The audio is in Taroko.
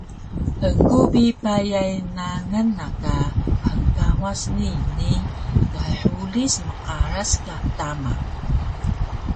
Egu bi payay nangal na ka hngkawas nii ni thhulis mqaras ka tama